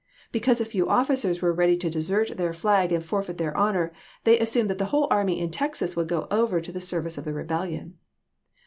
Because a few officers were ready to desert their flag and forfeit their honor, they as sumed that the whole army in Texas would go over to the service of the rebellion.